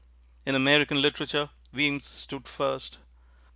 In American literature, Weems stood first.